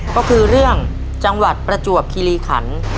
ก็คือเรื่องจังหวัดประจวบคิริขัน